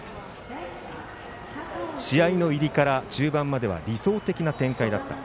試合の入りから中盤までは理想的な展開だった。